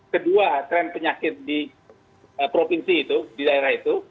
kedua tren penyakit di provinsi itu di daerah itu